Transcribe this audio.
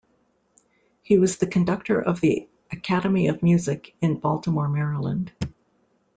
He was the conductor of the Academy of Music in Baltimore, Maryland.